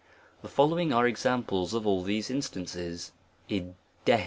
THE following are examples af all these instances, , f w